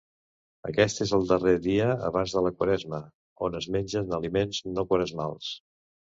Aquest és el darrer dia abans de la Quaresma, on es mengen aliments no quaresmals.